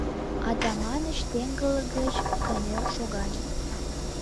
— Атаманыч теҥгыл гыч кынел шогале.